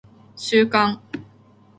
収監